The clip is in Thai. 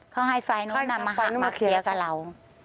เขาให้ไฟนุ๊กนำมาหักมาเคลียร์กับเรา